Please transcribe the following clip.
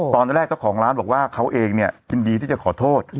ตอนแรกของร้านบอกว่าเขาเองยินดีที่จะขอโทษ